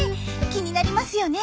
気になりますよね。